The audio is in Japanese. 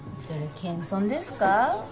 それ謙遜ですか？